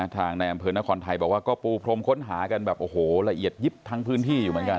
ทางในอำเภอนครไทยบอกว่าก็ปูพรมค้นหากันแบบโอ้โหละเอียดยิบทั้งพื้นที่อยู่เหมือนกัน